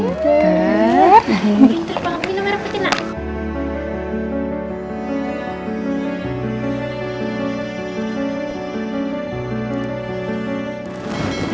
pintar banget minumnya raffatina